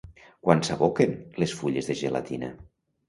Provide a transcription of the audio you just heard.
Quan s'aboquen les fulles de gelatina?